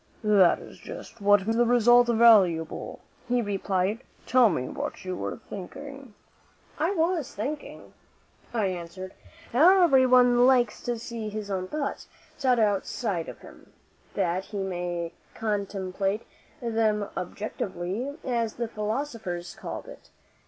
"That is just what makes the result valuable," he replied. "Tell me what you were thinking." "I was thinking," I answered, "how everyone likes to see his own thoughts set outside of him, that he may contemplate them objectively, as the philosophers call it.